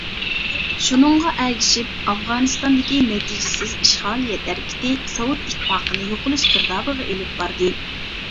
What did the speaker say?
شۇنىڭغا ئەگىشىپ، ئافغانىستاندىكى نەتىجىسىز ئىشغالىيەت ھەرىكىتى، سوۋېت ئىتتىپاقىنى يوقىلىش گىردابىغا ئېلىپ باردى.